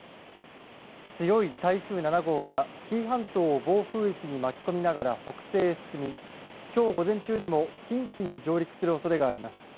強い台風７号は紀伊半島を暴風域に巻き込みながら北西へ進みきょう午前中にも近畿に上陸するおそれがあります。